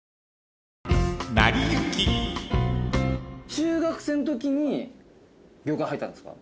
中学生のときに業界入ったんですか？